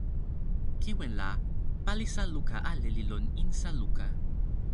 kiwen la, palisa luka ale li lon insa luka.